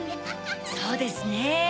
そうですねぇ。